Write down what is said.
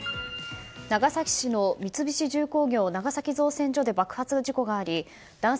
長崎市の三菱重工業長崎造船所で爆発があり男性